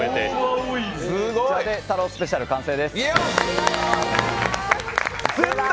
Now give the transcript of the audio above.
こちらで太郎スペシャル完成です！